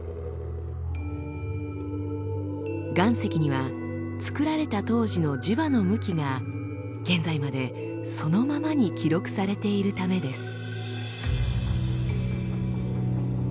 岩石には作られた当時の磁場の向きが現在までそのままに記録されているためです。